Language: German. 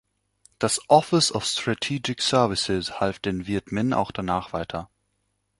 Das Office of Strategic Services half den Vietminh auch danach weiter.